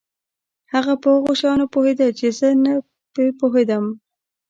هغه په هغو شیانو پوهېده چې زه نه په پوهېدم.